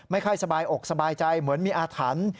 ไม่ค่อยสบายอกสบายใจเหมือนมีอาถรรพ์